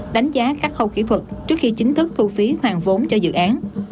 đánh giá các khâu kỹ thuật trước khi chính thức thu phí hoàn vốn cho dự án